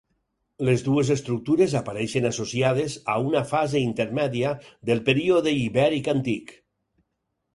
Les dues estructures apareixen associades a una fase intermèdia del Període Ibèric Antic.